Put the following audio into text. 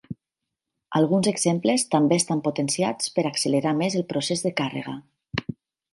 Alguns exemples també estan potenciats per accelerar més el procés de càrrega.